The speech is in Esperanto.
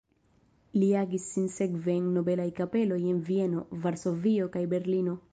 Li agis sinsekve en nobelaj kapeloj en Vieno, Varsovio kaj Berlino.